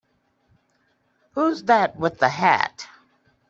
Who's that with the hat?